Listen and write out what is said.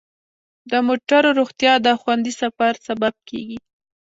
د موټرو روغتیا د خوندي سفر سبب کیږي.